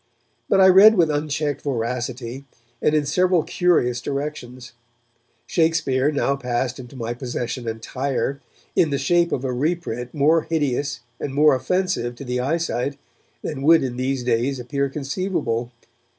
But I read with unchecked voracity, and in several curious directions. Shakespeare now passed into my possession entire, in the shape of a reprint more hideous and more offensive to the eyesight than would in these days appear conceivable.